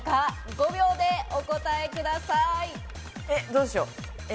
５秒でお答えください。